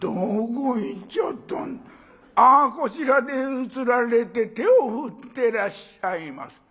あこちらで移られて手を振ってらっしゃいます。